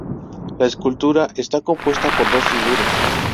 La escultura está compuesta por dos figuras.